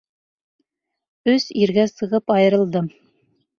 Өс иргә сығып айырылдым.